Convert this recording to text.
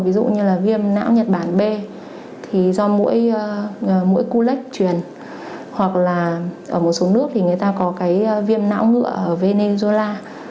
ví dụ như là viêm não nhật bản b thì do mỗi mũi culech truyền hoặc là ở một số nước thì người ta có cái viêm não ngựa ở venezuela